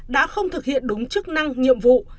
đã không thực hiện đúng chức năng nhiệm vụ